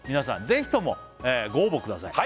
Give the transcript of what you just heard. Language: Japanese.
ぜひともご応募ください